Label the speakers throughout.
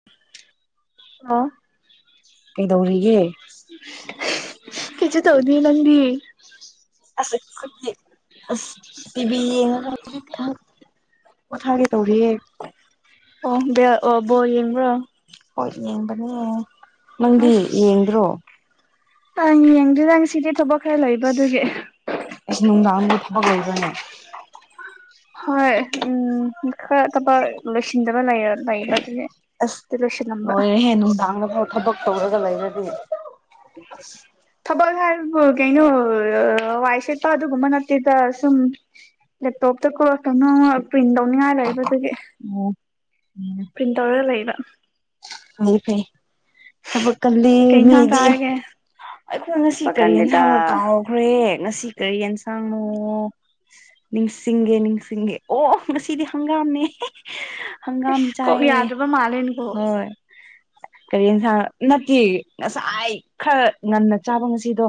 Speaker 1: [inaudible]
Speaker 2: ꯑꯣ
Speaker 1: ꯀꯩꯗꯧꯔꯤꯒꯦ
Speaker 2: ꯀꯁꯨ ꯊꯧꯗꯤ ꯅꯗꯤ
Speaker 1: ꯑꯁ ꯑꯁ ꯇꯤꯕꯤ ꯃꯊꯥꯒꯩ ꯇꯧꯔꯤꯌꯦꯦ
Speaker 2: ꯑꯣꯕ ꯑꯣ ꯕꯣ ꯌꯦꯡ꯭ꯔꯣ
Speaker 1: ꯍꯣꯏ ꯌꯦꯡꯕꯅꯦ ꯅꯪꯗꯤ
Speaker 2: ꯑꯁ
Speaker 1: ꯌꯦꯡꯗ꯭ꯔꯣ
Speaker 2: ꯑꯪ ꯌꯦꯡꯗꯣꯏꯗꯪ ꯁꯤꯗꯤ ꯊꯕꯛ ꯈꯔ ꯂꯩꯕ ꯑꯗꯨꯒꯤ
Speaker 1: ꯑꯦꯁ ꯅꯨꯡꯗꯥꯡꯕꯨ ꯊꯕꯛ ꯂꯩꯕꯅꯦ
Speaker 2: ꯍ ꯎꯝ ꯃꯤ ꯈꯔ ꯇꯄꯥ ꯂ ꯂꯣꯏ ꯆꯤꯟꯟꯖꯕ ꯅꯥꯏꯦ
Speaker 1: ꯑꯁ ꯂꯣꯏꯔꯦꯍꯦ ꯅꯨꯡꯗꯥꯡꯗꯐꯥꯎ ꯊꯕꯛ ꯇꯧꯔꯒ ꯂꯩꯔꯗꯤ [unintelligible]
Speaker 2: ꯊꯕꯛ ꯍꯥꯏ ꯀꯩꯅꯣ ꯋꯥꯏ ꯁꯦꯠꯠꯇ ꯑꯗꯨꯒꯨꯝꯕ ꯅꯠꯇꯦꯗ ꯁꯨꯝ ꯂꯦꯞꯇꯣꯞꯇꯀꯣ ꯀꯩꯅꯣꯝꯃ ꯄ꯭ꯔꯤꯟ ꯇꯧꯅꯤꯡꯉꯥꯏ ꯂꯩꯕꯗꯨꯗꯒꯤ
Speaker 1: ꯑꯣ ꯎꯝ
Speaker 2: ꯆ ꯇꯧꯔ ꯂꯩꯕ
Speaker 1: ꯍ ꯐꯩ ꯊꯕꯛ ꯀꯜꯂꯤ
Speaker 2: ꯀꯩ ꯏꯟꯁꯥꯡ
Speaker 1: ꯃꯤꯗꯤ
Speaker 2: ꯆꯥꯔꯒꯦ
Speaker 1: ꯑꯩꯈꯣꯏ ꯉꯁꯤ ꯀꯔꯤꯅ ꯍꯪꯉ
Speaker 2: ꯑꯁ
Speaker 1: ꯀꯥꯎ ꯍꯣꯔꯦ ꯉꯁꯤ ꯀꯔꯤ ꯌꯦꯟꯁꯥꯡꯅꯣ ꯅꯤꯡꯁꯤꯡꯒꯦ ꯅꯤꯡꯁꯤꯡꯒꯦ ꯑꯣ ꯉꯁꯤꯗꯤ ꯍꯪꯒꯥꯝꯅꯦ ꯍꯪꯒꯥꯝ
Speaker 2: ꯏꯁꯁ ꯀꯣ
Speaker 1: ꯆꯥꯏꯌꯦ
Speaker 2: ꯌꯥꯗꯕ ꯃꯥꯜꯂꯦꯅꯀꯣ
Speaker 1: ꯍꯣꯏ ꯀꯔꯤ ꯌꯦꯟꯁꯥꯡ ꯅꯠꯇꯦ ꯉꯁꯥꯏ ꯈꯔ ꯉꯟꯅ ꯆꯥꯕ ꯉꯁꯤꯗꯣ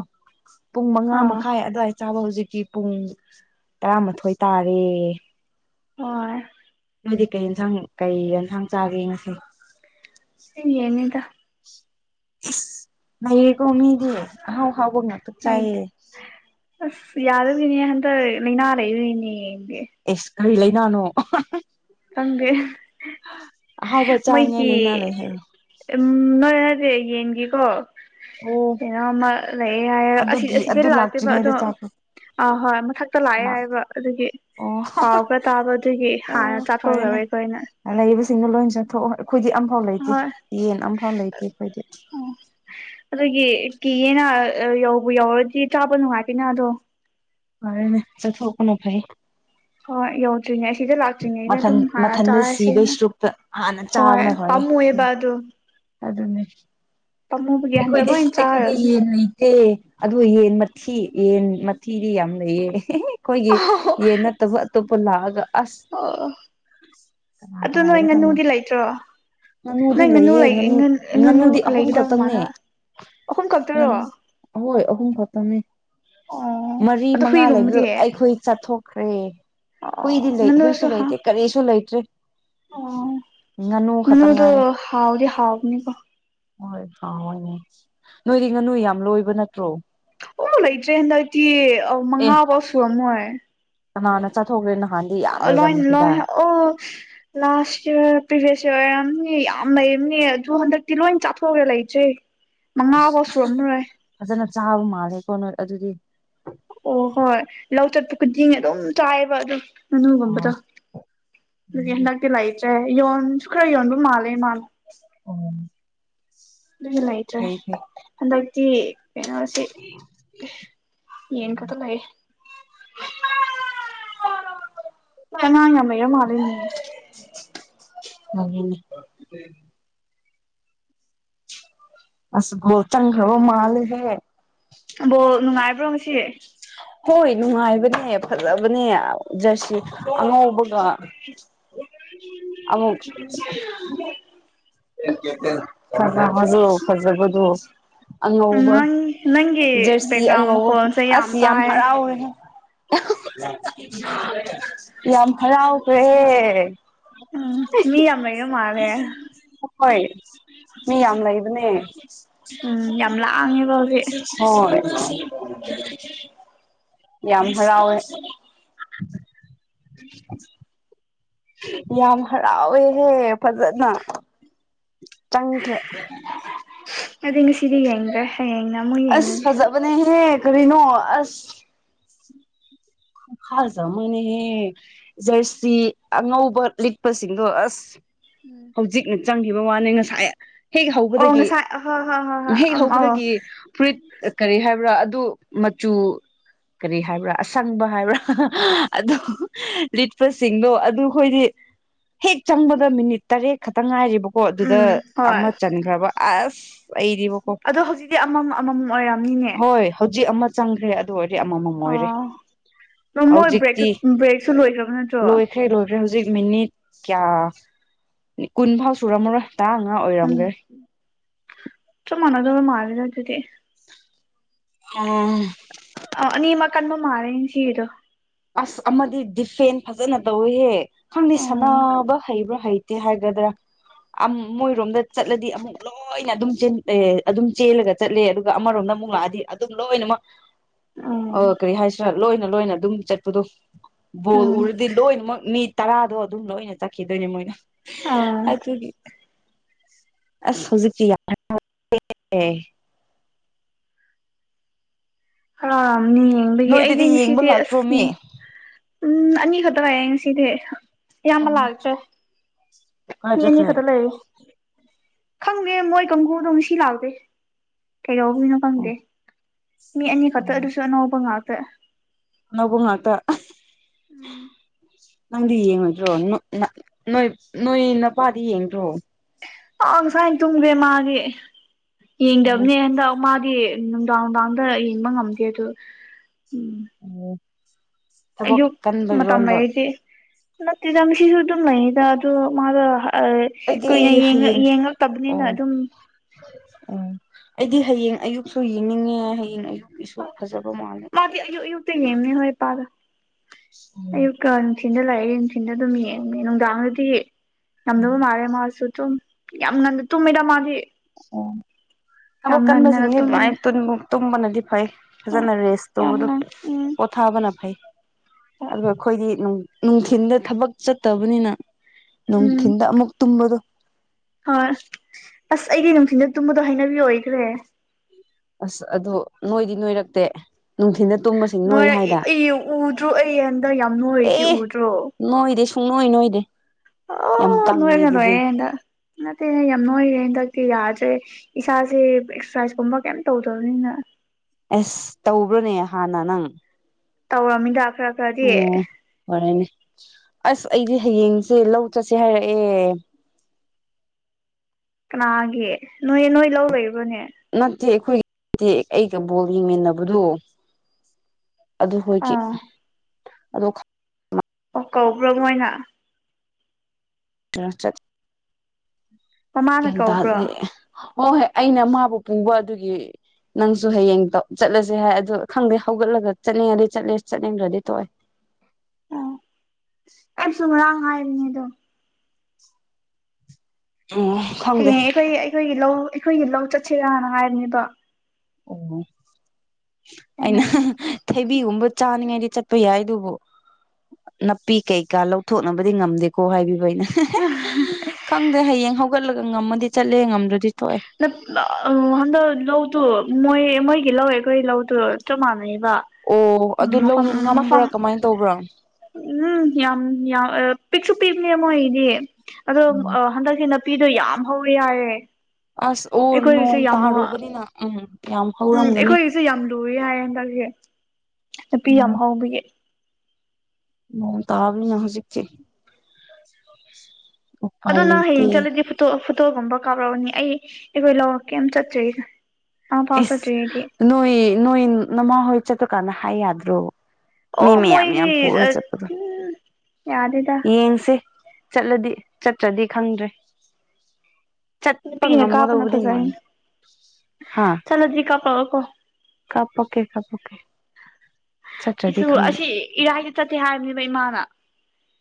Speaker 1: ꯄꯨꯡ ꯃꯉꯥ
Speaker 2: ꯑꯥ
Speaker 1: ꯃꯈꯥꯏ ꯑꯗꯨꯋꯥꯏ ꯆꯥꯕ ꯍꯧꯖꯤꯛꯀꯤ ꯄꯨꯡ ꯇꯔꯥꯃꯥꯊꯣꯏ ꯇꯥꯔꯦ
Speaker 2: ꯑꯣ
Speaker 1: ꯅꯣꯏꯗꯤ ꯀꯩ ꯌꯦꯟꯁꯥꯡ ꯀꯩ ꯌꯦꯟꯁꯥꯡ ꯆꯥꯒꯦ ꯉꯁꯤ
Speaker 2: ꯌꯦꯅꯤꯗ
Speaker 1: ꯃ ꯀꯣ ꯃꯤꯗꯤ ꯍꯥꯎ ꯍꯥꯎꯕꯉ
Speaker 2: ꯂꯩꯇꯦ ꯑꯁ ꯌꯥꯗꯕꯤꯅꯦ ꯍꯟꯗꯛ ꯂꯥꯏꯅꯥ ꯂꯩꯕꯏꯅꯦ ꯌꯦꯡꯗꯤ
Speaker 1: ꯑꯦꯁ ꯀꯔꯤ ꯂꯩꯅꯥꯅꯣ
Speaker 2: ꯐꯪꯗꯦ
Speaker 1: ꯑꯍꯥꯎꯕ ꯆꯥꯅꯤꯡꯉꯥꯏ
Speaker 2: ꯃꯣꯏꯒꯤ
Speaker 1: ꯂꯩꯅꯥ ꯂꯩ ꯍꯥꯏꯔꯣ
Speaker 2: ꯎꯝ ꯅꯣꯏ ꯍꯥꯏꯗꯤꯦ ꯌꯦꯟꯒꯤꯀꯣ
Speaker 1: ꯑꯣ
Speaker 2: ꯀꯩꯅꯣꯝꯃ ꯂꯩꯌꯦ ꯍꯥꯏ ꯑꯁꯤ
Speaker 1: ꯑꯗꯨꯒꯤ
Speaker 2: ꯑꯁꯤꯗꯩ
Speaker 1: ꯑꯗꯨ
Speaker 2: ꯂꯥꯛꯇꯦꯕ
Speaker 1: ꯂꯥꯛꯇ꯭ꯔꯤꯉꯩꯗ
Speaker 2: ꯑꯗꯣ
Speaker 1: ꯆꯥꯈ꯭ꯔꯣ
Speaker 2: ꯑ ꯍꯣꯏ ꯃꯊꯛꯇ ꯂꯥꯛꯑꯦ
Speaker 1: ꯂꯥꯛ
Speaker 2: ꯍꯥꯏꯕ ꯑꯗꯨꯒꯤ
Speaker 1: ꯑꯣ
Speaker 2: ꯄꯥꯎ ꯈꯔ ꯇꯥꯕ ꯑꯗꯨꯒꯤ
Speaker 1: ꯑ
Speaker 2: ꯍꯥꯟꯅ ꯆꯥꯊꯣꯛꯈ꯭ꯔꯕ
Speaker 1: ꯐꯔꯦꯅꯦ
Speaker 2: ꯑꯩꯈꯣꯏꯅ
Speaker 1: ꯂꯩꯔꯤꯕꯁꯤꯡꯅꯣ ꯂꯣꯏ ꯆꯪꯊꯎ ꯑꯩꯈꯣꯏꯗꯤ ꯑꯐꯥꯎ ꯂꯩꯇꯦ
Speaker 2: ꯍꯣꯏ
Speaker 1: ꯌꯦꯟ ꯑꯝꯐꯥꯎ ꯂꯩꯇꯦ ꯑꯩꯈꯣꯏꯗꯤ
Speaker 2: ꯑꯗꯨꯗꯒꯤ ꯀꯤꯌꯦꯅ ꯌꯧꯕ ꯌꯧꯔꯗꯤ ꯆꯥꯕ ꯅꯨꯡꯉꯥꯏꯇꯦꯅ ꯑꯗꯣ
Speaker 1: ꯃꯥꯔꯅꯦ ꯆꯠꯊꯣꯛ ꯀꯅ ꯐꯥꯏ
Speaker 2: ꯍꯣꯏ ꯌꯧꯗ꯭ꯔꯤꯉꯩ ꯑꯁꯤꯗ ꯂꯥꯛꯇ꯭ꯔꯤꯉꯩꯗ
Speaker 1: ꯃꯊ
Speaker 2: ꯑꯗꯨꯝ ꯍꯥꯟꯅ
Speaker 1: ꯃꯊꯟꯗ ꯁꯤꯕꯩ
Speaker 2: ꯆꯥꯔꯁꯦꯅ
Speaker 1: ꯏꯁꯇꯔꯨꯛꯇ ꯍꯥꯟꯅ
Speaker 2: ꯍꯣꯏ
Speaker 1: ꯆꯥꯕꯅ ꯍꯣꯏꯦ
Speaker 2: ꯄꯥꯝꯃꯨꯑꯦꯕ
Speaker 1: ꯎꯝ
Speaker 2: ꯑꯗꯣ
Speaker 1: ꯑꯗꯨꯅꯤ
Speaker 2: ꯄꯥꯝꯃꯨꯕꯒꯤ ꯍꯟꯗꯛ
Speaker 1: ꯑꯩꯈꯣꯏꯗ
Speaker 2: ꯂꯣꯏ
Speaker 1: ꯑꯩꯈꯣꯏꯗ
Speaker 2: ꯆꯥꯔꯕꯅꯤ
Speaker 1: ꯌꯦꯉ ꯑꯦꯦ ꯑꯗꯨ ꯌꯦꯟ ꯃꯊꯤ ꯌꯦꯟ ꯃꯊꯤꯗꯤ ꯌꯥꯝ ꯂꯩꯌꯦ ꯑꯩꯈꯣꯏꯒꯤ
Speaker 2: ꯑꯍꯣ
Speaker 1: ꯌꯦꯟ ꯅꯠꯇꯕ ꯑꯇꯣꯞꯄ ꯂꯥꯛꯑꯒ ꯑꯁ
Speaker 2: ꯑꯣ
Speaker 1: ꯀꯅꯥ
Speaker 2: ꯑꯗꯨ ꯅꯣꯏ
Speaker 1: ꯀꯅꯥꯒꯤꯔ ꯈꯪꯗꯦ
Speaker 2: ꯉꯥꯅꯨꯗꯤ ꯂꯩꯇ꯭ꯔꯣ ꯅ
Speaker 1: ꯉꯥꯅꯨꯗꯤ
Speaker 2: ꯏꯅꯨ
Speaker 1: ꯂꯩꯌꯦ
Speaker 2: ꯂꯩ ꯏ
Speaker 1: ꯉꯥꯅꯨ
Speaker 2: ꯏꯅꯨ ꯂꯩꯒꯗꯕ ꯃꯥ
Speaker 1: ꯍꯣꯏ ꯑꯍꯨꯝ ꯐꯠꯇꯅꯤ
Speaker 2: ꯑꯣ
Speaker 1: ꯃꯔꯤ
Speaker 2: ꯑꯗꯣ
Speaker 1: ꯃꯉꯥ ꯂꯩꯕ
Speaker 2: ꯍꯨꯏꯒꯨꯝꯕꯗꯤ
Speaker 1: ꯑꯩꯈꯣꯏ ꯆꯠꯊꯣꯛꯈ꯭ꯔꯦ ꯍꯨꯏꯗꯤ
Speaker 2: ꯑꯣ
Speaker 1: ꯂꯩ ꯍꯨꯏꯁꯨ
Speaker 2: ꯅꯁꯨ
Speaker 1: ꯂꯩꯇꯦ ꯀꯔꯤꯁꯨ ꯂꯩꯇ꯭ꯔꯦ ꯉꯥꯅꯨ ꯈꯛꯇꯪ
Speaker 2: ꯉꯥꯅꯨꯗꯣ
Speaker 1: ꯉꯥꯏꯔꯦ
Speaker 2: ꯍꯥꯎꯗꯤ ꯍꯥꯎꯕꯅꯤꯀꯣ
Speaker 1: ꯍꯣꯏ ꯍꯥꯎꯏꯅꯦ ꯅꯣꯏꯗꯤ ꯉꯥꯅꯨ ꯌꯥꯝ ꯂꯣꯏꯕ ꯅꯠꯇ꯭ꯔꯣ
Speaker 2: ꯑꯣ ꯂꯩꯇ꯭ꯔꯦ ꯍꯟꯗꯛꯇꯤ
Speaker 1: ꯑꯦ
Speaker 2: ꯃꯉꯥ ꯕꯥꯎ ꯁꯨꯔꯝꯃꯣꯏ
Speaker 1: ꯀꯅꯥꯅ ꯆꯥꯊꯣꯛꯈ꯭ꯔꯦ ꯅꯍꯥꯟꯗꯤ ꯌꯥꯝ
Speaker 2: ꯑꯣ ꯂꯣꯏꯟ ꯂꯣꯏꯟ
Speaker 1: ꯂꯩꯔꯝꯈꯤꯗꯥꯏ
Speaker 2: ꯑꯣ ꯂꯥꯁ ꯏꯌꯥꯔ ꯄ꯭ꯔꯤꯚꯤꯌꯁ ꯏꯔ ꯑꯣꯏꯔꯝꯅꯤ ꯌꯥꯝ ꯂꯩꯔꯝꯅꯦ ꯑꯗꯨ ꯍꯟꯗꯛꯇꯤ ꯂꯣꯏ ꯆꯥꯊꯣꯛꯑꯒ ꯂꯩꯇ꯭ꯔꯦ ꯃꯉꯥꯕꯥꯎ ꯁꯨꯔꯝꯃꯔꯣꯏ
Speaker 1: ꯐꯖꯅ ꯆꯥꯕ ꯃꯥꯜꯂꯦꯀꯣ ꯅꯣꯏ ꯑꯗꯨꯗꯤ
Speaker 2: ꯑꯣ ꯍꯣꯏ ꯂꯧ ꯆꯠꯄ ꯈꯨꯗꯤꯡ ꯑꯗꯨꯝ ꯆꯥꯏꯑꯕ ꯑꯗꯨ ꯉꯥꯅꯨꯒꯨꯝꯕꯗꯣ
Speaker 1: ꯑꯣ
Speaker 2: ꯑꯗꯨꯒꯤ
Speaker 1: ꯐꯔꯦꯅꯦ
Speaker 2: ꯍꯟꯗꯛꯇꯤ ꯂꯩꯇ꯭ꯔꯦ ꯌꯣꯟꯁꯨ ꯈꯔ ꯌꯣꯟꯕ ꯃꯥꯜꯂꯦ ꯏꯃꯥ
Speaker 1: ꯑꯣ
Speaker 2: ꯑꯗꯨꯒꯤ ꯂꯩꯇ꯭ꯔꯦ
Speaker 1: ꯐꯩ ꯐꯩ
Speaker 2: ꯍꯟꯗꯛꯇꯤ ꯀꯩꯅꯣꯁꯤ ꯌꯦꯟꯈꯛꯇꯥ ꯂꯩ
Speaker 1: [unintelligible]
Speaker 2: ꯅꯣꯏ ꯑꯉꯥꯡ ꯌꯥꯝ ꯂꯩꯔꯥ ꯃꯥꯜꯂꯤꯅꯦ
Speaker 1: [unintelligible] ꯑꯁ ꯒꯣꯜ ꯆꯟꯈ꯭ꯔꯕ ꯃꯥꯜꯂꯤꯍꯦ
Speaker 2: ꯔꯨꯝꯁꯤ
Speaker 1: ꯍꯣꯏ ꯅꯨꯡꯉꯥꯏꯕꯅꯦ ꯐꯖꯕꯅꯦ ꯖꯔꯁꯤ ꯑꯉꯧꯕꯒ
Speaker 2: [inaudible]
Speaker 1: ꯑꯃꯨꯛ [unintelligible] ꯐꯖꯕꯗꯨ
Speaker 2: ꯎꯝ ꯅꯪ ꯅꯪꯒꯤ ꯕꯦꯛꯒ꯭ꯔꯥꯎꯟ
Speaker 1: ꯑꯉꯧꯕ
Speaker 2: ꯃꯈꯣꯜꯁꯦ ꯌꯥꯝ
Speaker 1: ꯑꯁ
Speaker 2: ꯇꯥꯏ
Speaker 1: [unintelligible] [unintelligible] ꯌꯥꯝ ꯍꯔꯥꯎꯒ꯭ꯔꯦ
Speaker 2: ꯎꯝ ꯃꯤ ꯌꯥꯝ ꯂꯩꯕ ꯃꯥꯜꯂꯦ
Speaker 1: ꯍꯣꯏ ꯃꯤ ꯌꯥꯝ ꯂꯩꯕꯅꯦ
Speaker 2: ꯎꯝ ꯌꯥꯝ ꯂꯥꯡꯉꯦꯕ ꯍꯧꯖꯤꯛ
Speaker 1: ꯍꯣꯏ ꯌꯥꯝ ꯍꯔꯥꯎꯋꯦ ꯌꯥꯝ ꯍꯔꯥꯎꯋꯦꯍꯦ ꯐꯖꯅ ꯆꯪꯈ꯭ꯔꯦ
Speaker 2: ꯑꯩꯗꯤ ꯉꯁꯤꯗꯤ ꯌꯦꯡꯗ꯭ꯔꯦ ꯍꯌꯦꯡꯅ ꯑꯃꯨꯛ ꯌꯦꯡꯉꯅꯤ
Speaker 1: ꯃꯅꯦꯍꯦ ꯀꯔꯤꯅꯣ ꯑꯁ [unintelligible] ꯖꯔꯁꯤ ꯑꯉꯧꯕ ꯂꯤꯠꯄꯁꯤꯡꯗꯣ ꯑꯁ
Speaker 2: ꯎꯝ
Speaker 1: ꯍꯧꯖꯤꯛꯅ ꯆꯪꯈꯤꯕ ꯋꯥꯅꯦ ꯉꯁꯥꯏ ꯍꯦꯛ
Speaker 2: ꯑꯣ
Speaker 1: ꯍꯧꯕꯗꯒꯤ
Speaker 2: ꯉꯁꯥꯏ ꯍꯣꯏ ꯍꯣꯏ ꯍꯣꯏ ꯍꯣꯏ
Speaker 1: ꯍꯦꯛ
Speaker 2: ꯑꯧ
Speaker 1: ꯍꯧꯕꯗꯒꯤ ꯐꯨꯔꯤꯠ ꯀꯔꯤ ꯍꯥꯏꯕ꯭ꯔꯥ ꯑꯗꯨ ꯃꯆꯨ ꯀꯔꯤ ꯍꯥꯏꯕ꯭ꯔꯥ ꯑꯁ ꯁꯪꯕ ꯍꯥꯏꯕ꯭ꯔꯥ ꯑꯗꯨ ꯂꯤꯠꯄꯁꯤꯡꯗꯣ ꯑꯗꯨ ꯈꯣꯏꯗꯤ ꯍꯦꯛ ꯆꯪꯕꯗ ꯃꯤꯅꯤꯠ ꯇꯔꯦꯠ ꯈꯛꯇ ꯉꯥꯏꯔꯤꯕ ꯍꯣ
Speaker 2: ꯎꯝ
Speaker 1: ꯑꯗꯨꯗ
Speaker 2: ꯍꯣꯏ
Speaker 1: ꯑꯃ ꯆꯟꯈ꯭ꯔꯕ ꯑꯁ ꯑꯩꯗꯤꯕꯨ
Speaker 2: ꯑꯗꯣ ꯍꯧꯖꯤꯛꯇꯤ ꯑꯃꯝ ꯑꯃꯝ ꯑꯣꯏꯔꯝꯅꯤꯅꯦ
Speaker 1: ꯍꯣꯏ ꯍꯧꯖꯤꯛ ꯑꯃ ꯆꯪꯈ꯭ꯔꯦ ꯑꯗꯨ ꯑꯣꯏꯔꯗꯤ ꯑꯃꯝꯃꯝ ꯑꯣꯏꯔꯦ
Speaker 2: ꯑꯗꯣ ꯃꯣꯏ ꯕ꯭ꯔꯦꯛ ꯕ꯭ꯔꯦꯛꯁꯨ ꯂꯣꯏꯈ꯭ꯔꯕ ꯅꯠꯇ꯭ꯔꯣ
Speaker 1: ꯈ꯭ꯔꯦ ꯂꯣꯏꯈ꯭ꯔꯦ ꯍꯧꯖꯤꯛ ꯃꯤꯅꯤꯠ ꯀꯌꯥ ꯀꯨꯟ ꯐꯥꯎ ꯁꯨꯔꯝꯃꯔꯣꯏ ꯇꯥꯉꯥ
Speaker 2: ꯎꯝ
Speaker 1: ꯑꯣꯏꯔꯝꯒ꯭ꯔꯦ
Speaker 2: ꯆꯞ ꯃꯥꯟꯅꯗꯕ ꯃꯥꯜꯂꯦ ꯑꯗꯨꯗꯤ
Speaker 1: ꯎꯝ
Speaker 2: ꯑ ꯑꯅꯤꯃꯛ ꯀꯟꯕ ꯃꯥꯜꯂꯦ ꯉꯁꯤꯒꯤꯗꯣ
Speaker 1: ꯑꯁ ꯑꯃꯗꯤ ꯗꯤꯐꯦꯟ ꯐꯖꯅ ꯇꯧꯋꯤꯍꯦ ꯈꯪꯗꯦ
Speaker 2: ꯑꯣ
Speaker 1: ꯁꯥꯟꯅꯕ ꯍꯩꯕ꯭ꯔꯥ ꯍꯩꯇꯦ ꯍꯥꯏꯒꯗ꯭ꯔꯥ ꯑ ꯃꯣꯏꯔꯣꯝꯗ ꯆꯠꯂꯗꯤ ꯑꯃꯨꯛ ꯂꯣꯏꯅ ꯑꯗꯨꯝ ꯆꯦꯟ ꯑꯦ ꯑꯗꯨꯝ ꯆꯦꯜꯂꯒ ꯆꯠꯂꯦ ꯑꯗꯨꯒ ꯑꯃꯔꯣꯝꯗ ꯑꯃꯨꯛ ꯂꯥꯛꯑꯗꯤ ꯑꯗꯨꯝ ꯂꯣꯏꯅꯃꯛ
Speaker 2: [unintelligible]
Speaker 1: ꯑ ꯀꯔꯤ ꯍꯥꯏꯁꯤꯔꯥ ꯂꯣꯏꯅ ꯂꯣꯏꯅ ꯑꯗꯨꯝ ꯆꯠꯄꯗꯣ ꯕꯣꯜ
Speaker 2: ꯎꯝ
Speaker 1: ꯎꯔꯗꯤ ꯂꯣꯏꯅꯃꯛ ꯅꯤꯠ ꯇꯔꯥꯗꯣ ꯑꯗꯨꯝ ꯂꯣꯏꯅ ꯆꯠꯈꯤꯗꯣꯏꯅꯦ ꯃꯣꯏꯅ
Speaker 2: ꯑꯣ
Speaker 1: ꯑꯗꯨꯒꯤ ꯑꯁ ꯍꯧꯖꯤꯛꯇꯛꯛꯇꯤ ꯌꯥꯝ
Speaker 2: ꯑꯥꯝꯅꯦ ꯌꯦꯡꯕꯒꯤ ꯑꯩꯗꯤ
Speaker 1: ꯅꯣꯏꯗꯗꯤ ꯌꯦꯡꯕ
Speaker 2: ꯉꯁꯤꯗꯤ
Speaker 1: ꯂꯥꯛꯇ꯭ꯔꯣ ꯃꯤ
Speaker 2: ꯑꯁꯅꯦ ꯎꯝ ꯑꯅꯤꯈꯛꯇ ꯍꯥꯏꯌꯦ ꯉꯁꯤꯗꯤ ꯑꯌꯥꯝꯕ
Speaker 1: ꯑꯣ
Speaker 2: ꯂꯥꯛꯇ꯭ꯔꯦ
Speaker 1: ꯀꯥꯏ
Speaker 2: ꯍꯅꯦ
Speaker 1: ꯆꯠꯈ꯭ꯔꯦ
Speaker 2: ꯈꯛꯇ ꯂꯩꯔꯦ ꯈꯪꯗꯦ ꯃꯣꯏ ꯀꯥꯡꯒꯨꯗꯣ ꯅꯨꯡꯁꯤ ꯂꯥꯛꯗꯦ ꯀꯩꯗꯧꯕꯤꯅꯣ
Speaker 1: ꯑꯣ
Speaker 2: ꯈꯪꯗꯦ ꯃꯤ ꯑꯅꯤ ꯈꯛꯇ ꯑꯗꯨꯁꯨ ꯑꯅꯧꯕ ꯉꯥꯛꯇ
Speaker 1: ꯅꯧꯕ ꯉꯥꯛꯇ
Speaker 2: ꯎꯝ
Speaker 1: ꯅꯪꯗꯤ ꯌꯦꯡꯉꯨꯗ꯭ꯔꯣ ꯅꯣꯏ ꯅꯣꯏ ꯅꯄꯥꯗꯤ ꯌꯦꯡꯗ꯭ꯔꯣ
Speaker 2: ꯑ ꯉꯁꯥꯏꯅ ꯇꯨꯝꯗ꯭ꯔꯦ ꯃꯥꯒꯤ
Speaker 1: ꯑꯣ
Speaker 2: ꯌꯦꯡꯗꯕꯅꯦ ꯍꯟꯗꯛ ꯃꯥꯒꯤ ꯅꯨꯡꯗꯥꯡ ꯅꯨꯡꯗꯥꯡꯗ ꯌꯦꯡꯕ ꯉꯝꯗꯦ ꯑꯗꯨ ꯎꯝ
Speaker 1: ꯑꯣꯝ
Speaker 2: ꯑꯌꯨꯛ ꯃꯇꯝ
Speaker 1: ꯍꯟꯗꯛ
Speaker 2: ꯍꯥꯏꯁꯦ ꯅꯠꯇꯦꯗꯝꯁꯤꯁꯨ ꯑꯗꯨꯝ ꯂꯩꯗ ꯑꯗꯨ ꯃꯥ ꯀꯨꯏꯅ
Speaker 1: ꯑꯩꯗꯤ ꯍꯌꯦꯡ
Speaker 2: ꯌꯦꯡꯉꯛꯇꯕꯅꯤꯅ
Speaker 1: ꯑꯣ
Speaker 2: ꯑꯗꯨꯝ
Speaker 1: ꯑꯣ ꯑꯩꯗꯤ ꯍꯌꯦꯡ ꯑꯌꯨꯛꯁꯨ ꯌꯦꯡꯅꯤꯡꯉꯦ ꯍꯌꯦꯡ ꯑꯌꯨꯛꯀꯤꯁꯨ ꯐꯖꯕ ꯃꯥꯜꯂꯦ
Speaker 2: ꯏꯨꯛꯇ ꯦꯦꯝꯅꯤ ꯑꯣꯏꯌꯦ ꯄꯥꯒ
Speaker 1: ꯎꯝ
Speaker 2: ꯑꯩ ꯀꯥꯟ ꯆꯤꯟꯅ ꯂꯥꯏ ꯊꯤꯟꯗ ꯑꯗꯨꯝ ꯌꯦꯡꯉ ꯅꯨꯡꯗꯥꯡꯗꯗꯤ ꯉꯝꯗꯅꯕ ꯃꯥꯜꯂꯦ ꯃꯥꯁꯨ ꯑꯗꯨꯨꯝ ꯌꯥꯝ ꯉꯟ ꯇꯨꯝꯃꯤꯗ ꯃꯥꯗꯤ
Speaker 1: ꯑꯣ
Speaker 2: ꯌꯥꯝ
Speaker 1: ꯅ
Speaker 2: ꯉꯟ ꯉꯟꯅ
Speaker 1: ꯀꯟꯃꯁꯤꯗꯋꯥ
Speaker 2: ꯇꯨꯝꯕꯅꯦ
Speaker 1: ꯍꯥꯏꯨ ꯇꯨꯝꯕꯅꯗꯤ ꯐꯩ ꯐꯖꯅ ꯔꯦꯁ
Speaker 2: ꯌꯥꯝ
Speaker 1: ꯇꯧꯕꯗꯣ
Speaker 2: ꯉꯟ ꯎꯝ
Speaker 1: ꯄꯣꯊꯥꯕꯅ ꯐꯩ ꯑꯣ ꯑꯩꯈꯣꯏꯗꯤ ꯅꯨꯡꯊꯤꯜꯗ ꯊꯕꯛ ꯆꯠꯇꯕꯅꯤꯅ ꯅꯅꯨꯡ
Speaker 2: ꯎꯝ
Speaker 1: ꯊꯤꯟ ꯑꯃ ꯃꯨꯛ ꯇꯨꯝꯝꯕꯗꯨ
Speaker 2: ꯍꯣꯏ ꯑꯁ ꯑꯩꯒꯤ ꯅꯨꯡꯊꯤꯅ ꯇꯨꯝꯕꯗꯣ ꯍꯥꯏꯅꯕꯤꯌ ꯑꯣꯏꯈ꯭ꯔꯦ
Speaker 1: ꯑꯁ ꯑꯗꯣ ꯅꯣꯏꯗꯤ ꯅꯣꯏꯔꯛꯇꯦ ꯅꯨꯡꯊꯤꯅ ꯇꯨꯝꯁ
Speaker 2: ꯅꯣꯏꯔ ꯑꯩ ꯎꯗ꯭ꯔꯣ ꯑꯩ ꯍꯟꯗꯛ ꯌꯥꯝ ꯅꯣꯏꯔꯤꯁꯤ
Speaker 1: ꯑꯦ
Speaker 2: ꯎꯗ꯭ꯔꯣ
Speaker 1: ꯅꯣꯏꯗꯤ ꯁꯨꯡꯅꯣꯏ ꯅꯣꯏꯗꯦ ꯌꯥꯝ
Speaker 2: ꯑꯣ
Speaker 1: ꯀꯪꯉꯤ
Speaker 2: ꯅꯣꯏꯔ
Speaker 1: ꯑꯗꯨꯗꯤ
Speaker 2: ꯅꯣꯏꯍꯦ ꯍꯟꯗꯛ ꯅꯠꯇꯦꯅꯦ ꯌꯥꯝ ꯅꯣꯏꯈꯦ ꯍꯟꯗꯛꯇꯤ ꯌꯥꯗ꯭ꯔꯦ ꯏꯁꯥꯁꯦ ꯑꯦꯛꯁꯔꯁꯥꯏꯁꯀꯨꯝꯕ ꯀꯩꯝ ꯇꯧꯗꯕꯅꯤꯅ
Speaker 1: ꯑꯁ ꯇꯧꯕ꯭ꯔꯣꯅꯦ ꯍꯥꯟꯅ ꯅꯪ
Speaker 2: ꯇꯧꯔꯝꯃꯤꯗ ꯈꯔ ꯈꯔꯗꯤ
Speaker 1: ꯑꯣ ꯍꯔꯦꯅꯦ ꯑꯁ ꯑꯩꯗꯤ ꯍꯌꯦꯡꯁꯦ ꯂꯧ ꯆꯠꯁꯦ ꯍꯥꯏꯔꯛꯑꯦ
Speaker 2: ꯀꯅꯥꯒꯤ ꯅꯣꯏ ꯅꯣꯏ ꯂꯧ ꯂꯩꯕꯣꯅꯦ
Speaker 1: ꯅꯠꯇꯦ ꯑꯩꯈꯣꯏꯒꯤ ꯑꯩꯒ ꯕꯣꯜ ꯌꯦꯡꯃꯤꯟꯅꯕꯗꯨꯣ ꯑꯗꯨ ꯍꯣꯏꯒꯤ
Speaker 2: ꯑꯣ
Speaker 1: ꯑ
Speaker 2: ꯑꯣ ꯀꯧꯕ꯭ꯔꯣ ꯃꯣꯏꯅ
Speaker 1: ꯆꯠ
Speaker 2: ꯃꯃꯥꯅ
Speaker 1: ꯀꯗ
Speaker 2: ꯀꯧꯕ꯭ꯔꯣ
Speaker 1: ꯑꯗꯨ ꯍꯣꯏ ꯍꯣꯏ ꯑꯩꯅ ꯃꯥꯕꯨ ꯄꯨꯡꯕ ꯑꯗꯨꯒꯤ ꯅꯪꯁꯨ ꯍꯌꯦꯡꯗꯣ ꯆꯠꯂꯁꯦ ꯍꯥꯏ ꯑꯗꯣ ꯈꯪꯗꯦ ꯍꯧꯒꯠꯂꯒ ꯆꯠꯅꯤꯡꯉꯗꯤ ꯆꯠꯂꯦ ꯆꯠꯅꯤꯡꯈ꯭ꯔꯗꯤ ꯇꯑꯦ
Speaker 2: ꯑꯣ ꯀꯩꯝꯁꯨꯨꯝ ꯉꯥꯡ ꯍꯥꯏꯕꯅꯤ ꯑꯗꯣ
Speaker 1: ꯎ
Speaker 2: ꯍꯌꯦꯡ ꯑꯩꯈꯣꯏꯒꯤ ꯑꯩꯈꯣꯏꯒꯤ ꯂꯧ ꯑꯩꯈꯣꯏꯒꯤ ꯂꯧ ꯆꯠꯁꯦꯔꯥꯅ ꯍꯥꯏꯔꯅꯦꯕ
Speaker 1: ꯑꯣ ꯑꯩꯅ ꯊꯩꯕꯤꯒꯨꯝꯕ ꯆꯥꯅꯤꯡꯉꯥꯏꯗꯤ ꯆꯠ ꯆꯞꯄ ꯌꯥꯏ ꯑꯗꯨꯕꯨ ꯅꯥꯄꯤ ꯀꯩꯀꯥ ꯂꯧꯊꯣꯛꯅꯕꯗꯤ ꯉꯝꯗꯦꯀꯣ ꯍꯥꯏꯕꯤꯕ ꯑꯩꯅ
Speaker 2: ꯎ
Speaker 1: ꯈꯪꯗ꯭ꯔꯦ ꯍꯌꯦꯡ ꯍꯧꯒꯠꯂꯒ ꯉꯝꯃꯗꯤ ꯆꯠꯂꯦ ꯉꯝꯗ꯭ꯔꯗꯤ ꯊꯣꯛꯑꯦ
Speaker 2: ꯍꯟꯗꯛ ꯂꯧꯗꯨꯣ ꯃꯣꯏ ꯃꯣꯏꯒꯤ ꯂꯧꯋꯦ ꯑꯩꯈꯣꯏ ꯂꯧꯗꯨꯣ ꯆꯞ ꯃꯥꯟꯅꯩꯑꯕ
Speaker 1: ꯑꯣ ꯑꯗꯨ ꯂꯧꯗꯨ ꯉꯝꯕ꯭ꯔꯥ ꯀꯃꯥꯏꯅ ꯇꯧꯕ꯭ꯔꯥ
Speaker 2: ꯎꯝ ꯌꯥꯝ ꯌꯥꯝ ꯄꯤꯛꯁꯨ ꯄꯤꯕꯅꯦ ꯃꯣꯏꯗꯤ ꯑꯗꯣ ꯍꯟꯗꯛꯁꯤ ꯄꯤꯤꯗꯣ ꯌꯥꯝ ꯍꯧꯋꯦ ꯌꯥꯔꯦ
Speaker 1: ꯑꯁ ꯑꯣ ꯅꯣꯡ ꯇꯥꯔꯨꯕꯅꯤꯅ ꯎꯝ ꯌꯥꯝ
Speaker 2: ꯎꯝ
Speaker 1: ꯍꯧꯔꯝꯒꯅꯤ
Speaker 2: ꯑꯩꯈꯣꯏꯒꯤꯁꯨꯦ ꯌꯥꯝ ꯂꯨꯏꯦ ꯍꯥꯏꯅ ꯈꯁꯦ ꯅꯨꯄꯤ ꯌꯥꯝ ꯍꯧꯕꯒꯤ
Speaker 1: ꯎ ꯇꯥꯕ ꯉꯍꯁꯤꯁꯤ
Speaker 2: ꯑꯗꯣ ꯅꯪ ꯍꯌꯦꯡ ꯆꯠꯂꯗꯤ ꯐꯣꯇꯣ ꯐꯣꯇꯣꯒꯨꯝꯕ ꯀꯥꯞꯔꯛꯑꯅꯤ ꯑꯩꯈꯣꯏ ꯂꯧꯔꯛꯀꯩꯝ ꯆꯠꯆꯔꯤꯗ
Speaker 1: ꯏꯁ ꯅꯣꯏ ꯅꯣꯏ ꯅꯃꯥ ꯍꯣꯏ ꯆꯠꯇ꯭ꯔ ꯀꯥꯟꯅ ꯍꯥꯏ ꯌꯥꯗ꯭ꯔꯣ ꯃꯤ
Speaker 2: ꯑꯣ
Speaker 1: ꯃꯌꯥꯝ ꯃꯌꯥꯝ
Speaker 2: ꯃꯣꯏꯗꯤ
Speaker 1: ꯄꯨꯔꯒ ꯆꯠꯄꯗꯣ
Speaker 2: ꯎꯝ ꯌꯥꯔꯦꯗ
Speaker 1: ꯌꯦꯡꯁꯦ ꯆꯠꯂꯗꯤ ꯆꯠꯇ꯭ꯔꯗꯤ ꯈꯪꯗ꯭ꯔꯦ ꯆꯠꯄ
Speaker 2: ꯅꯨꯄꯤꯅ
Speaker 1: ꯉꯃꯗ
Speaker 2: ꯀꯥꯞꯄꯅ
Speaker 1: ꯎꯕꯨꯗꯤ ꯃꯥ ꯍꯥ
Speaker 2: ꯆꯠꯗ꯭ꯔꯤꯀꯥ ꯄ ꯀꯣ
Speaker 1: ꯀꯞ ꯑꯣꯀꯦ ꯀꯞ ꯑꯣꯀꯦ
Speaker 2: ꯑꯩꯁꯨ ꯑꯁꯤ ꯏꯔꯥꯏꯗ ꯆꯠꯇꯦ ꯍꯥꯏꯕꯅꯦꯕ ꯏꯃꯥꯅ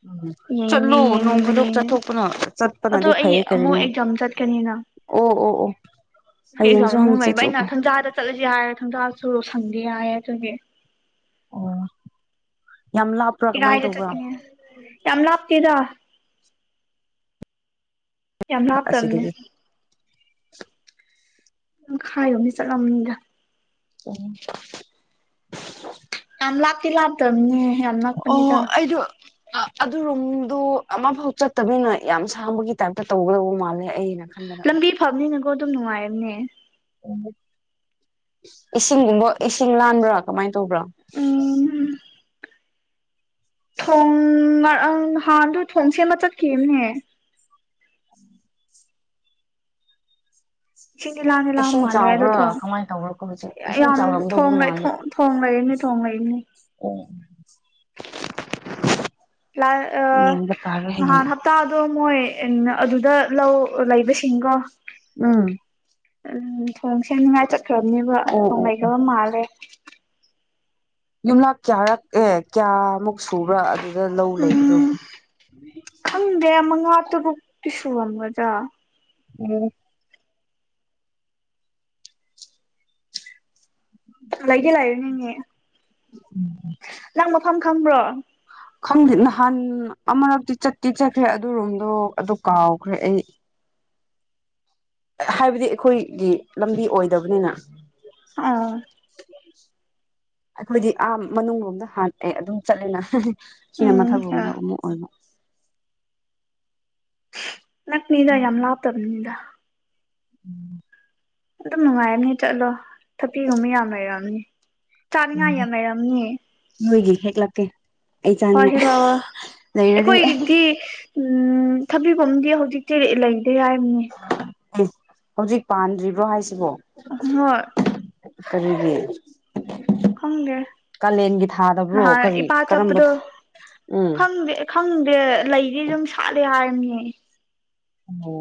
Speaker 1: ꯎꯝ
Speaker 2: ꯌꯦꯡꯅꯤ
Speaker 1: ꯆꯠꯂꯣ ꯅꯣꯡ
Speaker 2: ꯌꯦꯡꯕ
Speaker 1: ꯈꯨꯗꯣꯛ
Speaker 2: ꯌꯦꯡꯅꯤ
Speaker 1: ꯆꯠꯊꯣꯛꯄꯅ
Speaker 2: ꯑꯗꯣ
Speaker 1: ꯆꯠꯄꯅꯗꯤ
Speaker 2: ꯑꯩ
Speaker 1: ꯐꯩꯌꯦ
Speaker 2: ꯑꯃꯨꯛ
Speaker 1: ꯀꯔꯤꯅꯣ
Speaker 2: ꯑꯦꯛꯖꯥꯝ ꯆꯠꯀꯅꯤꯅ
Speaker 1: ꯑꯣ ꯑꯣ ꯑꯣ
Speaker 2: ꯑꯗꯨꯒꯤ ꯑꯦꯛꯖꯥꯝ
Speaker 1: ꯍꯌꯦꯡꯁꯨ
Speaker 2: ꯑꯃꯨꯛ ꯂꯩꯕ
Speaker 1: ꯍꯪꯆꯤꯠꯁꯨ
Speaker 2: ꯑꯩꯅ ꯊꯟꯖꯥꯗ ꯆꯠꯂꯁꯤꯦ ꯍꯥꯏꯔꯦ ꯊꯪꯖꯥꯁꯨ ꯂꯣꯁꯪꯗꯦ ꯍꯥꯏꯔꯌꯦ ꯑꯗꯨꯒꯤ
Speaker 1: ꯑꯣ ꯌꯥꯝꯂ
Speaker 2: ꯏꯔ ꯍꯥꯏꯗ ꯆꯠꯀꯅꯦ ꯌꯥꯝ ꯂꯥꯞꯇꯦꯗ ꯌꯥꯝ ꯂ ꯍꯥꯞꯇꯕꯅꯦ
Speaker 1: ꯑꯁꯤꯗꯒꯤ
Speaker 2: ꯝ ꯍꯥꯏꯌꯣ ꯃꯤ ꯆꯠꯂꯝꯅꯤꯗ
Speaker 1: ꯑꯣꯝ
Speaker 2: ꯌꯥꯝ ꯂꯥꯛꯄꯤ ꯂꯥꯛꯗ
Speaker 1: ꯑꯣ ꯑꯩꯗ ꯑ ꯑꯗꯨꯔꯣꯝꯗꯣ ꯑꯃꯐꯥꯎ ꯆꯠꯇꯅꯤꯅ ꯌꯥꯝ ꯁꯥꯡꯕꯒꯤ ꯇꯥꯏꯞꯇ ꯇꯧꯒꯗꯧꯕ ꯃꯥꯜꯂꯦ ꯑꯩꯅ ꯈꯟꯕꯗ
Speaker 2: ꯂꯝꯕꯤ ꯐꯕꯅꯤꯅꯀꯣ ꯑꯗꯨꯝ ꯅꯨꯡꯉꯥꯏꯝꯅꯦ
Speaker 1: ꯏꯁꯤꯡꯒꯨꯝꯕ ꯏꯁꯤꯡ ꯂꯥꯟꯕ꯭ꯔꯥ ꯀꯃꯥꯏꯅ ꯇꯧꯕ꯭ꯔꯥ
Speaker 2: ꯎꯝ ꯊꯣꯡ ꯉꯪ ꯍꯥꯟꯗ ꯊꯣꯡ ꯁꯦꯝꯦ ꯑꯃ ꯆꯠꯀꯦꯅꯦ ꯏꯤꯟꯗꯤ ꯂꯥꯟꯅꯤ ꯂꯥꯟ
Speaker 1: ꯏꯁꯤꯡ
Speaker 2: ꯃꯥꯜꯂꯦ ꯑꯗꯣ
Speaker 1: ꯆꯥꯎꯕ꯭ꯔꯥ
Speaker 2: ꯊꯣꯡꯉ
Speaker 1: ꯀꯃꯥꯏꯅ ꯇꯧꯕ꯭ꯔꯥ ꯍꯧꯖꯤꯛ ꯏꯁꯤꯡ
Speaker 2: ꯌꯥꯝ
Speaker 1: ꯆꯥꯎꯔꯝꯗꯧꯕ
Speaker 2: ꯊꯣꯡꯈꯦ ꯊꯣꯡ ꯊꯣꯡ ꯂꯩꯔꯤꯅꯤ ꯊꯣꯡ ꯂꯩꯔꯤꯅꯤ
Speaker 1: ꯑꯣ
Speaker 2: ꯂ ꯑ ꯍꯞꯇꯥꯗꯣ ꯃꯣꯏ ꯑꯗꯨꯗ ꯂꯧ ꯂꯩꯕꯁꯤꯡꯒꯣ
Speaker 1: ꯎꯝ
Speaker 2: ꯎꯝ ꯊꯣꯡ ꯁꯦꯝꯦ ꯅꯨꯡꯉꯥꯏ ꯆꯠꯈ꯭ꯔꯕꯅꯦꯕ
Speaker 1: ꯑꯣ
Speaker 2: ꯊꯣꯡ
Speaker 1: ꯑꯣ ꯑꯣ
Speaker 2: ꯂꯩꯈꯕ ꯃꯥꯜꯂꯦ
Speaker 1: ꯌꯨꯝꯂꯛ ꯀꯌꯥꯔꯛ ꯑꯦ ꯀꯌꯥꯃꯨꯛ ꯁꯨꯕ꯭ꯔꯥ ꯑꯗꯨꯗ ꯂꯧ ꯂꯩꯕꯗꯣ
Speaker 2: ꯎꯝ ꯈꯪꯗꯦ ꯃꯉꯥ ꯇꯔꯨꯛꯇꯤ ꯁꯨꯔꯝꯒꯗ꯭ꯔꯥ
Speaker 1: ꯎꯝ
Speaker 2: ꯂꯩꯗꯤꯦ ꯂꯥꯛꯌꯨ ꯅꯅꯦ ꯅꯪ ꯃꯐꯝ ꯈꯪꯕ꯭ꯔꯣ
Speaker 1: ꯈꯪꯗꯦ ꯅꯍꯥꯟ ꯑꯃꯨꯔꯛꯇꯤ ꯆꯠꯇꯤ ꯆꯠꯈ꯭ꯔꯦ ꯑꯗꯨ ꯔꯣꯝꯗꯣ ꯑꯗꯨ ꯀꯥꯎꯈ꯭ꯔꯦ ꯑꯩ ꯍꯥꯏꯕꯗꯤ ꯑꯩꯈꯣꯏꯒꯤ ꯂꯝꯕꯤ ꯑꯣꯏꯗꯕꯅꯤꯅ
Speaker 2: ꯑꯥ
Speaker 1: ꯑꯩꯈꯣꯏꯗꯤ ꯑꯥ ꯃꯅꯨꯡꯂꯣꯝꯗ ꯍꯥꯇꯦ ꯑꯗꯨꯝ ꯆꯠꯂꯦꯅ ꯁꯤꯅ
Speaker 2: ꯎꯝ
Speaker 1: ꯃꯊꯛꯂꯣꯝꯗ ꯑꯃꯨꯛ ꯑꯣꯏꯕ
Speaker 2: ꯅꯛ ꯃꯤꯗ ꯌꯥꯝ ꯂꯥꯞꯇꯕꯅꯤ ꯃꯤꯗ
Speaker 1: ꯎꯝ
Speaker 2: ꯑꯗꯨꯝ ꯅꯨꯡꯉꯥꯏꯔꯝꯅꯤ ꯆꯠꯂꯣ ꯊꯄꯤꯒꯨꯝꯕ ꯌꯥꯝ ꯂꯩꯔꯑꯝꯅꯤ ꯆꯥꯅꯤꯉꯥꯏ ꯌꯥꯝ ꯂꯩꯔꯝꯅꯤ
Speaker 1: ꯍꯣꯏꯒꯤ ꯍꯦꯦꯛꯂꯀꯦ
Speaker 2: ꯍꯣꯏ ꯍꯦꯕꯕ
Speaker 1: ꯂꯩꯔꯗꯤ
Speaker 2: ꯑꯩꯈꯣꯏꯗꯤ ꯎꯝ ꯊꯕꯤꯐꯝꯝꯗꯤ ꯍꯧꯖꯤꯛꯇꯤ ꯂꯩꯗ ꯌꯥꯔꯤꯕꯅꯦ
Speaker 1: ꯍꯧꯖꯤꯛ ꯄꯥꯟꯗ꯭ꯔꯤꯕ꯭ꯔꯣ ꯍꯥꯏꯁꯤꯕꯣ
Speaker 2: ꯍꯣꯏ
Speaker 1: ꯐ꯭ꯔꯤꯒꯤ
Speaker 2: [inaudible] [unintelligible] ꯈꯪꯗꯦ
Speaker 1: ꯊꯥꯗꯕ꯭ꯔꯣ
Speaker 2: ꯅꯥꯍꯥꯟ
Speaker 1: ꯀꯔꯤ
Speaker 2: ꯏꯄꯥ
Speaker 1: ꯀꯔꯝꯕ
Speaker 2: ꯆꯠꯄꯗꯣ
Speaker 1: ꯊꯥ ꯎꯝ
Speaker 2: ꯈꯪꯗꯦ ꯈꯪꯗꯦ ꯂꯩꯗꯤ ꯑꯗꯨꯝ ꯁꯥꯠꯂꯦ ꯍꯥꯏꯕꯅꯦ
Speaker 1: ꯑꯣ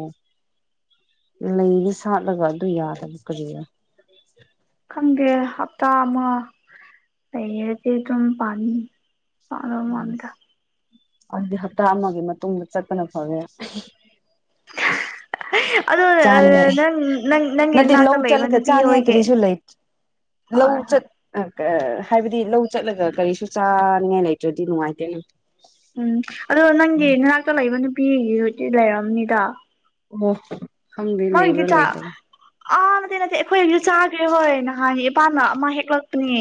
Speaker 1: ꯂꯩꯗꯤ ꯁꯥꯠꯂꯒ ꯑꯗꯨ ꯌꯥꯗꯕ ꯀꯔꯤꯔꯥ
Speaker 2: ꯈꯪꯗꯦ ꯍꯞꯇꯥ ꯑꯃꯥ ꯂꯩꯔꯗꯤ ꯑꯗꯨꯝ ꯄꯥꯟ ꯄꯥꯟꯂꯣ ꯃꯟꯗ
Speaker 1: ꯑꯗꯨꯗꯤ ꯍꯞꯇꯥ ꯑꯃꯥꯒꯤ ꯃꯇꯨꯡꯗ ꯆꯠꯄꯅ ꯐꯔꯦ
Speaker 2: [inaudible] ꯑꯗꯣ
Speaker 1: ꯆꯥꯅꯤꯡꯉꯥꯏ
Speaker 2: ꯅꯪ ꯅꯪ ꯅꯪꯒꯤ
Speaker 1: ꯅꯠꯇꯦ ꯂꯧ
Speaker 2: ꯏꯅꯥꯛꯇ ꯂꯩꯕ
Speaker 1: ꯆꯠꯂꯒ
Speaker 2: ꯅꯨꯄꯤ
Speaker 1: ꯆꯥꯅꯤꯡꯉꯥꯏ
Speaker 2: ꯍꯣꯏꯒꯤ
Speaker 1: ꯀꯔꯤꯁꯨ ꯂꯩ ꯂꯧ
Speaker 2: ꯍꯣꯏ
Speaker 1: ꯆꯠ
Speaker 2: ꯍꯣꯏ
Speaker 1: ꯑ ꯍꯥꯏꯕꯗꯤ ꯂꯧ ꯆꯠꯂꯒ ꯀꯔꯤꯁꯨ ꯆꯥꯅꯤꯡꯉꯥꯏ ꯂꯩꯇ꯭ꯔꯗꯤ ꯅꯨꯡꯉꯥꯏꯇꯦꯅ
Speaker 2: ꯎꯝ ꯑꯗꯣ ꯅꯪꯒꯤ ꯅꯅꯥꯛꯇ ꯂꯩꯕ ꯅꯨꯄꯤꯒꯤ ꯍꯧ ꯂꯩꯔꯝꯅꯤꯗ
Speaker 1: ꯑꯣ ꯈꯪꯗꯦ
Speaker 2: ꯃꯣꯏꯗꯤ
Speaker 1: ꯂꯩꯕ꯭ꯔꯥ
Speaker 2: ꯆꯥꯛ
Speaker 1: ꯂꯩꯇꯕ꯭ꯔꯥ
Speaker 2: ꯑꯥ ꯅꯠꯇꯦ ꯅꯠꯇꯦ ꯑꯩꯈꯣꯏꯁꯨ ꯆꯥꯈ꯭ꯔꯦ ꯍꯣꯏ ꯅꯍꯥꯟꯒꯤ ꯏꯄꯥꯅ ꯑꯃꯥ ꯍꯦꯛꯂꯛꯄꯅꯦ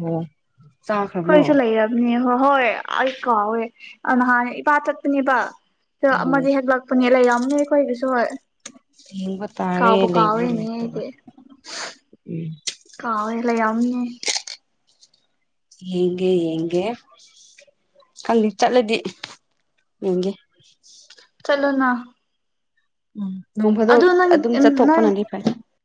Speaker 1: ꯑꯣ ꯆꯥꯈ꯭ꯔꯕ꯭ꯔꯣ
Speaker 2: ꯑꯩꯈꯣꯏꯁꯨ ꯂꯩꯔꯝꯅꯤ ꯍꯣꯏ ꯍꯣꯏ ꯑꯩ ꯀꯥꯎꯋꯦ ꯑꯥ ꯅꯍꯥꯟꯅ ꯏꯄꯥ ꯆꯠꯄꯅꯦꯕ ꯑꯗꯣ
Speaker 1: ꯑꯣ
Speaker 2: ꯑꯃꯥꯗꯤ ꯍꯦꯛꯂꯛꯄꯅꯦ ꯂꯩꯔꯝꯅꯤ ꯑꯩꯈꯣꯏꯒꯤꯁꯨ ꯍꯣꯏ
Speaker 1: ꯊꯦꯡꯕ ꯇꯥꯔꯦ
Speaker 2: ꯀꯥꯎꯕꯨ
Speaker 1: ꯂꯩꯕ꯭ꯔꯥ
Speaker 2: ꯀꯥꯎꯋꯦꯅꯦ
Speaker 1: ꯂꯩꯇꯕ꯭ꯔꯥ ꯎꯝ
Speaker 2: ꯀꯥꯎꯏ ꯂꯩꯔꯝꯅꯤꯌꯦ
Speaker 1: ꯌꯦꯡꯒꯦ ꯌꯦꯡꯒꯦ ꯈꯪꯗꯦ ꯆꯠꯂꯗꯤ ꯌꯦꯡꯒꯦ [inaudible] [unintelligible]
Speaker 2: ꯆꯠꯂꯣꯅ
Speaker 1: ꯎꯝ ꯅꯣꯡ ꯐꯗꯣꯛ
Speaker 2: ꯑꯗꯣ ꯅꯪ
Speaker 1: ꯑꯗꯨꯝ
Speaker 2: ꯅꯪ
Speaker 1: ꯆꯠꯊꯣꯛꯄꯅꯗꯤ ꯐꯩ